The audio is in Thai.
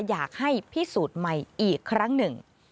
อยากให้พิสูจน์ใหม่อีกครั้งหนึ่ง